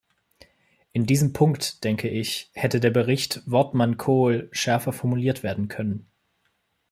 In diesem Punkt, denke ich, hätte der Bericht Wortmann-Kool schärfer formuliert werden können.